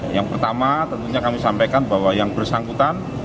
yang pertama tentunya kami sampaikan bahwa yang bersangkutan